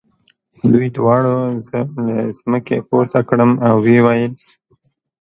دوی دواړو زه له مځکې پورته کړم او ویې ویل.